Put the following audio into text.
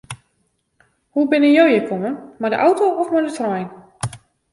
Hoe binne jo hjir kommen, mei de auto of mei de trein?